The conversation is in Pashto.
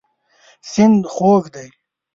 سیند خوږ دی.